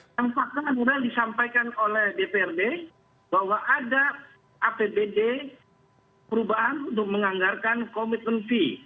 yang fakta mudah disampaikan oleh dprd bahwa ada apbd perubahan untuk menganggarkan komitmen fee